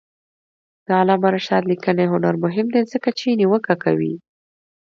د علامه رشاد لیکنی هنر مهم دی ځکه چې نیوکه کوي.